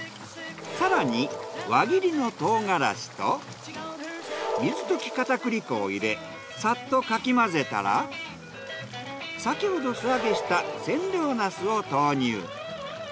更に輪切りの唐辛子と水溶き片栗粉を入れさっとかき混ぜたら先ほど素揚げした千両なすを投入。